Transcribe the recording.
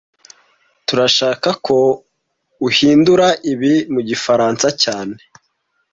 Turashaka ko uhindura ibi mu gifaransa cyane